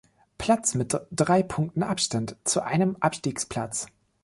Platz mit drei Punkten Abstand zu einem Abstiegsplatz.